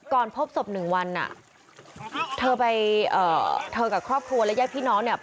พบศพหนึ่งวันอ่ะเธอไปเธอกับครอบครัวและญาติพี่น้องเนี่ย